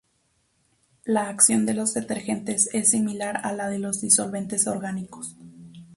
La acción de los detergentes es similar a la de los disolventes orgánicos.